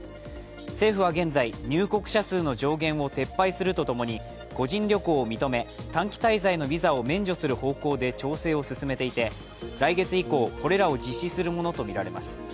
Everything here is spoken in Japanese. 政府は現在、入国者数の上限を撤廃するとともに個人旅行を認め、短期滞在のビザを免除する方向で調整を進めていて、来月以降これらを実施するものとみられます。